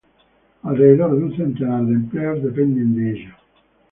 Alrededor de un centenar de empleos dependen de ella.